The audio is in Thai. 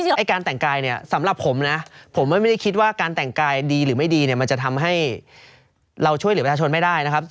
ไอ้การแต่งกายเนี่ยสำหรับผมนะผมไม่ได้คิดว่าการแต่งกายดีหรือไม่ดีเนี่ยมันจะทำให้เราช่วยเหลือประชาชนไม่ได้นะครับ